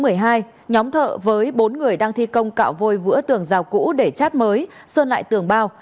hôm thợ với bốn người đang thi công cạo vôi vữa tường rào cũ để chát mới sơn lại tường bao